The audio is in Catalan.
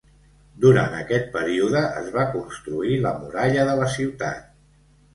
Durant aquest període es va construir la muralla de la ciutat.